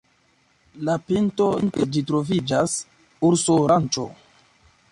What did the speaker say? La pinto de ĝi troviĝas urso-ranĉo.